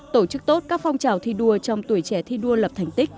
tổ chức tốt các phong trào thi đua trong tuổi trẻ thi đua lập thành tích